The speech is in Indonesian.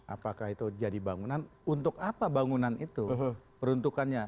apakah itu jadi bangunan untuk apa bangunan itu peruntukannya